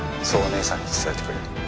「そうお姉さんに伝えてくれ」